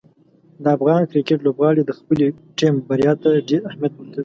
د افغان کرکټ لوبغاړي د خپلې ټیم بریا ته ډېر اهمیت ورکوي.